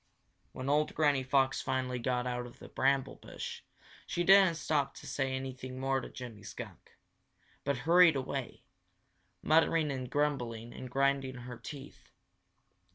When old Granny Fox finally got out of the bramble bush, she didn't stop to say anything more to Jimmy Skunk, but hurried away, muttering and grumbling and grinding her teeth.